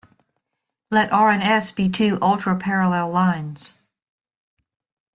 Let r and s be two ultraparallel lines.